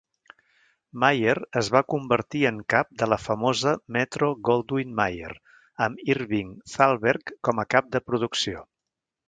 Mayer es va convertir en cap de la famosa Metro-Goldwyn-Mayer, amb Irving Thalberg com a cap de producció.